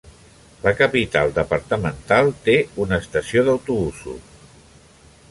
La capital departamental té una estació d'autobusos.